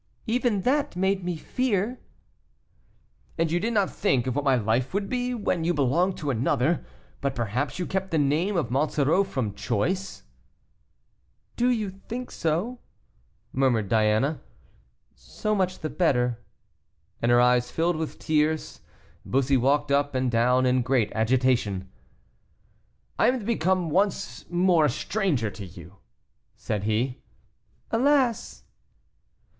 "Even that made me fear." "And you did not think of what my life would be, when you belonged to another. But perhaps you kept the name of Monsoreau from choice?" "Do you think so?" murmured Diana; "so much the better." And her eyes filled with tears. Bussy walked up and down in great agitation. "I am to become once more a stranger to you," said he. "Alas!"